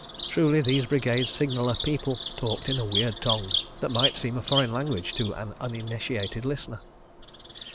Truly these brigade signaller people talked in a weird tongue that might seem a foreign language to an uninitiated listener.